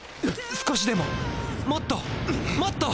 少しでももっともっと！